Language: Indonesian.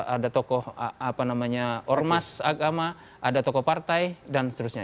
ada tokoh apa namanya ormas agama ada tokoh partai dan seterusnya